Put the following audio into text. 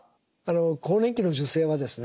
更年期の女性はですね